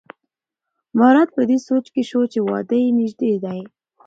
مراد په دې سوچ کې شو چې واده یې نژدې دی.